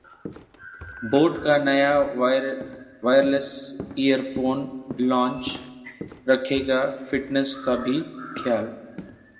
boAt का नया wireless earphone launch, रखेगा फिटनेस का भी ख्याल